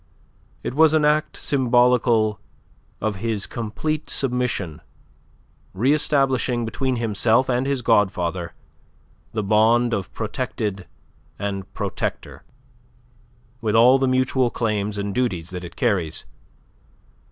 It was an act symbolical of his complete submission, reestablishing between himself and his godfather the bond of protected and protector, with all the mutual claims and duties that it carries.